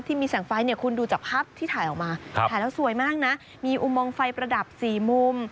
ที่มีแสงไฟเนี่ยคุณดูจากภาพที่ถ่ายออกมาถ่ายแล้วสวยมากนะมีอุโมงไฟประดับ๔มุม